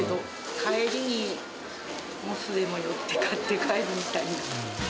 帰りにモスでも寄って買って帰るみたいな。